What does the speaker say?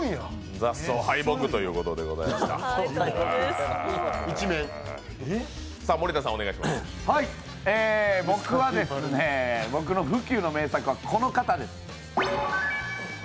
雑草、敗北ということでした僕の不朽の名作はこの方です。